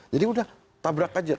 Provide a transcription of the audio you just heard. jadi udah tabrak aja